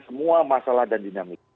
semua masalah dan dinamik